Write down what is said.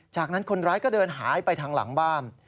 จากนั้นคนร้ายก็เดินหายไปทางหลังบ้าน